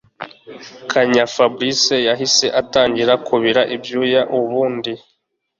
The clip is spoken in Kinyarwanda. kanya Fabric yahise atangira kubira ibyuya ubundi